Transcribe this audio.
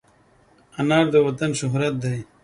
انار د وطن شهرت دی.